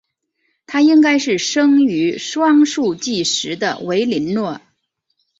她应该是生于双树纪时的维林诺。